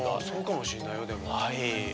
そうかもしれないよでも。